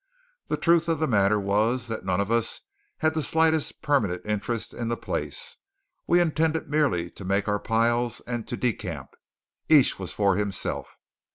The truth of the matter was that none of us had the slightest permanent interest in the place. We intended merely to make our piles and to decamp. Each was for himself.